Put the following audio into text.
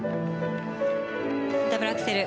ダブルアクセル。